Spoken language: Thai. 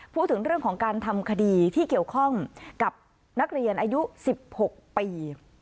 พูดถึงเรื่องของการทำคดีที่เกี่ยวข้องกับนักเรียนอายุ๑๖ปี